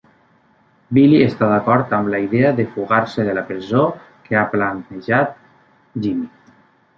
Billy està d'acord amb la idea de fugar-se de la presó que ha planejat Jimmy.